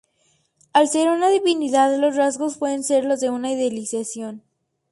Al ser una divinidad los rasgos pueden ser los de una idealización.